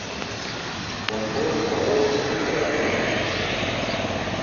Bonvolu paroli pli laŭte!